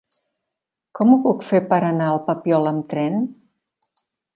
Com ho puc fer per anar al Papiol amb tren?